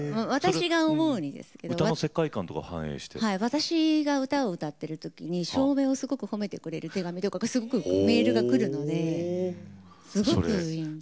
私が歌を歌ってる時に照明をすごく褒めてくれる手紙とかメールが来るのですごくいいんです。